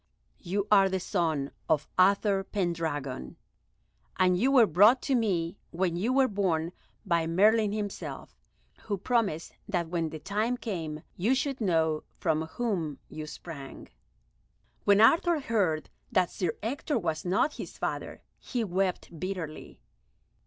You are the son of Uther Pendragon, and you were brought to me when you were born by Merlin himself, who promised that when the time came you should know from whom you sprang." When Arthur heard that Sir Ector was not his father, he wept bitterly.